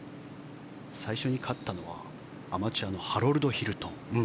最初に勝ったのはアマチュアのハロルド・ヒルトン。